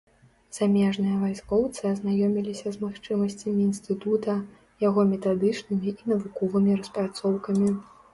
Замежныя вайскоўцы азнаёміліся з магчымасцямі інстытута, яго метадычнымі і навуковымі распрацоўкамі.